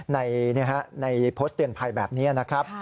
ในโพสต์เตือนภัยแบบนี้นะครับ